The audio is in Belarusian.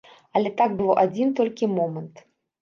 Але так было адзін толькі момант.